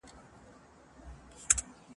يوسف عليه السلام د وروڼو د ظلمونو يادونه ونکړه.